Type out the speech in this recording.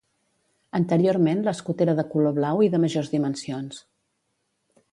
Anteriorment l'escut era de color blau i de majors dimensions.